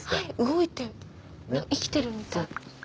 動いて生きてるみたい。